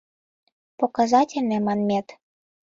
Показательный манмет...